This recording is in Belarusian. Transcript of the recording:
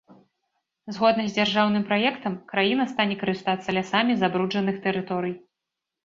Згодна з дзяржаўным праектам, краіна стане карыстацца лясамі забруджаных тэрыторый.